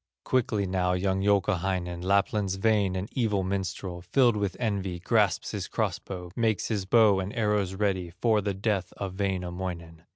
Quickly now young Youkahainen, Lapland's vain and evil minstrel, Filled with envy, grasps his cross bow, Makes his bow and arrows ready For the death of Wainamoinen.